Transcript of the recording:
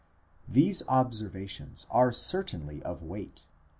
1® These observations are certainly of weight.